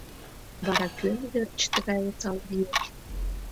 Вара кӧн верч тыгай осал лиеш?